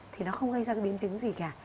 thì nó không gây ra biến chứng gì cả